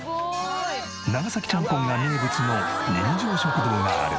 長崎ちゃんぽんが名物の人情食堂がある。